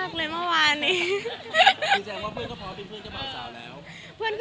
ก็บอกว่าเซอร์ไพรส์ไปค่ะ